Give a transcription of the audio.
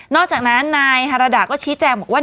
อกจากนั้นนายฮาราดาก็ชี้แจงบอกว่า